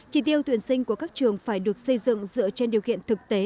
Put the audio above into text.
chỉ tiêu tuyển sinh của các trường phải được xây dựng dựa trên điều kiện thực tế